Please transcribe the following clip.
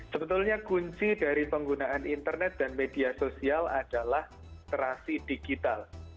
sebetulnya kunci dari penggunaan internet dan media sosial adalah literasi digital